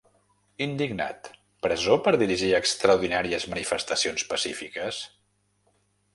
Indignat: presó per dirigir extraordinàries manifestacions pacífiques?